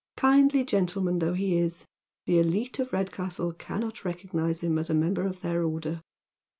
Kindly gentle man though he is, the Hite of Redcastle cannot recognise him as a member of their order.